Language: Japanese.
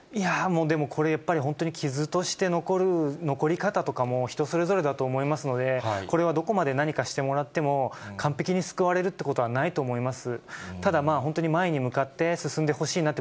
でも、これ、やっぱり、本当に傷として残る、残り方とかも、人それぞれだと思いますので、これはどこまで何かしてもらっても、完璧に救われるってことはないと思います。